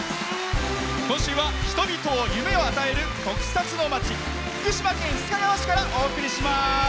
今週は人々に夢を与える特撮の街、福島県須賀川市からお送りします。